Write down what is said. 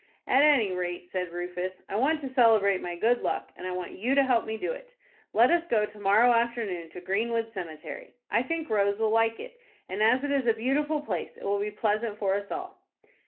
"At any rate," said Rufus, "I want to celebrate my good luck, and I want you to help me do it. Let us go to morrow afternoon to Greenwood Cemetery. I think Rose will like it, and as it is a beautiful place it will be pleasant for us all."